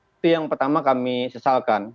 itu yang pertama kami sesalkan